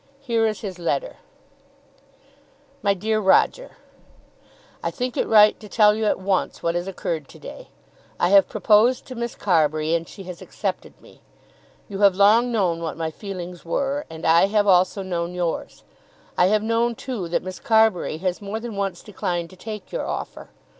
Here is his letter: MY DEAR ROGER, I think it right to tell you at once what has occurred to day. I have proposed to Miss Carbury and she has accepted me. You have long known what my feelings were, and I have also known yours. I have known, too, that Miss Carbury has more than once declined to take your offer.